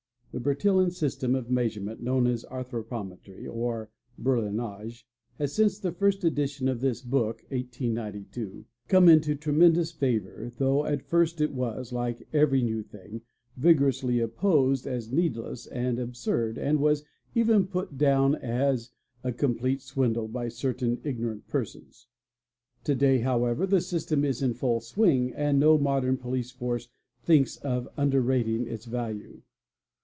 4 The Bertillon system of measurement known as " Anthropometry" ' Bertillonage'' has, since the first edition of this book (1892), come i tremendous favour though at first it was, like every new thing, vigorou! opposed as needless and absurd and was even put down as a comple dl ANTHROPOMETRY 273 "swindle by certain ignorant persons. To day however the system is in full swing and no modern police force thinks of underrating its value.